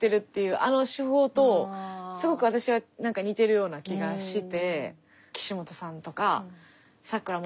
あの手法とすごく私は似てるような気がして。